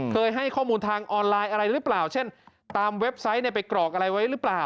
ให้ข้อมูลทางออนไลน์อะไรหรือเปล่าเช่นตามเว็บไซต์ไปกรอกอะไรไว้หรือเปล่า